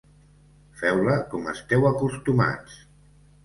Feu-la com esteu acostumats.